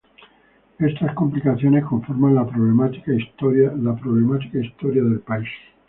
Estas complicaciones conforman la problemática historia del país